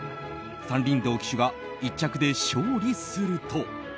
山林堂騎手が１着で勝利すると。